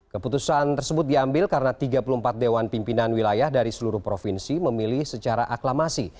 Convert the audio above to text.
keputusan tersebut diambil karena tiga puluh empat dewan pimpinan wilayah dari seluruh provinsi memilih secara aklamasi